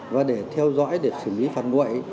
và để theo dõi để xử lý phản quậy